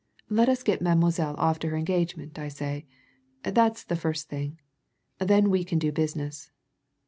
Let us get Mademoiselle off to her engagement, I say that's the first thing. Then we can do business.